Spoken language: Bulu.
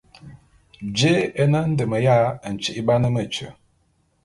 Jé é ne ndem ya ntyi'ibane metye?